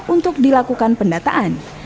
untuk dilakukan pendataan